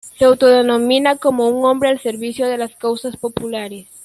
Se autodenomina como un hombre al servicio de las causas populares.